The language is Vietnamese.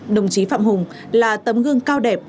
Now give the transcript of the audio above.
đồng chí phạm hùng là tấm gương cao đẻ